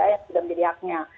yang sudah menjadi haknya